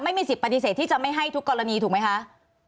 ไม่มีสิทธิปฏิเสธที่จะไม่ให้ทุกกรณีถูกไหมคะ